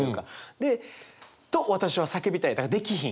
で「と私は叫びたい」だからできひん。